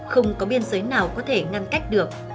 không có biên giới nào có thể ngăn cách được